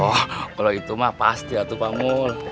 oh kalau itu mah pasti ya pak mul